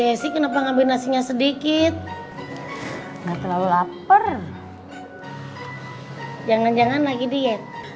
hai cecik kenapa ngambil nasinya sedikit enggak terlalu lapar jangan jangan lagi diet